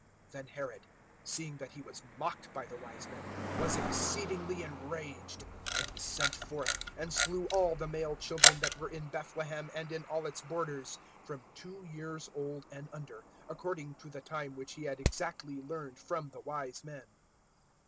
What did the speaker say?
(16)Then Herod, seeing that he was mocked by the wise men, was exceedingly enraged; and he sent forth, and slew all the male children that were in Bethlehem, and in all its borders, from two years old and under, according to the time which he had exactly learned from the wise men.